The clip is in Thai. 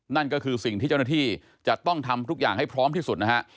นั่นก็คือสิ่งที่เจ้าหน้าที่จะต้องทำทุกอย่างให้พร้อมที่สุดนะฮะ